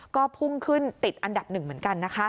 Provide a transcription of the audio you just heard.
ก็พุ่งขึ้นติดอันดับหนึ่งเหมือนกันนะคะ